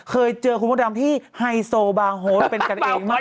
เคยเจอคุณมดดำที่ไฮโซบาโฮสเป็นกันเองมาก